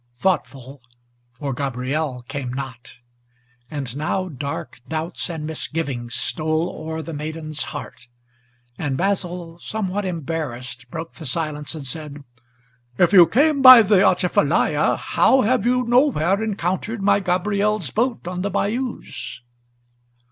Thoughtful, for Gabriel came not; and now dark doubts and misgivings Stole o'er the maiden's heart; and Basil, somewhat embarrassed, Broke the silence and said, "If you came by the Atchafalaya, How have you nowhere encountered my Gabriel's boat on the bayous?"